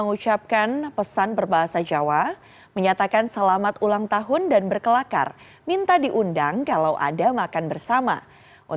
untuk itu anas beswedan berterima kasih kepada anas beswedan atas ucapan ulang tahun yang diberikan